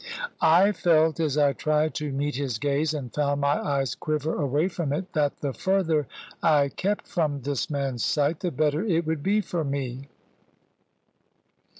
I felt, as I tried to meet his gaze and found my eyes quiver away from it, that the further I kept from this man's sight, the better it would be for me.